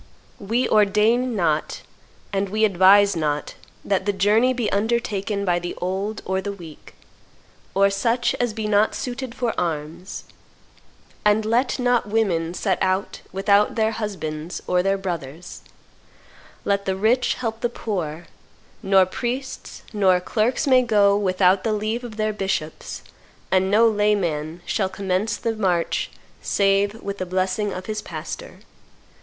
We ordain not, and we advise not, that the journey be undertaken by the old or the weak, or such as be not suited for arms, and let not women set out without their husbands or their brothers; let the rich help the poor; nor priests nor clerks may go without the leave of their bishops; and no layman shall commence the march save with the blessing of his pastor.